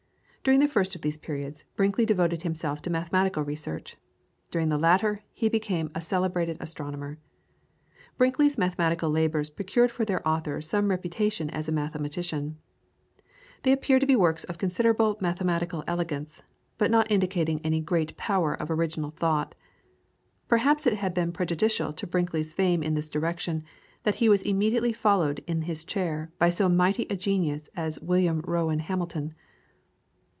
During the first of these periods Brinkley devoted himself to mathematical research; during the latter he became a celebrated astronomer. Brinkley's mathematical labours procured for their author some reputation as a mathematician. They appear to be works of considerable mathematical elegance, but not indicating any great power of original thought. Perhaps it has been prejudicial to Brinkley's fame in this direction, that he was immediately followed in his chair by so mighty a genius as William Rowan Hamilton.